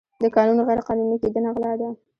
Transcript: د کانونو غیرقانوني کیندنه غلا ده.